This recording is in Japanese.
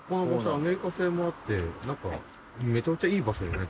アメリカ製もあってなんかめちゃくちゃいい場所だね。